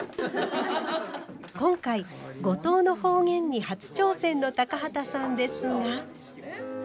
今回五島の方言に初挑戦の高畑さんですが。